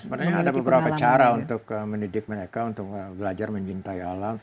sebenarnya ada beberapa cara untuk mendidik mereka untuk belajar mencintai alam